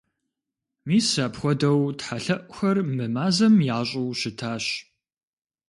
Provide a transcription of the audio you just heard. Мис апхуэдэу тхьэлъэӀухэр мы мазэм ящӀыу щытащ.